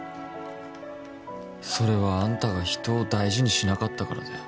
それはあんたが人を大事にしなかったからだよ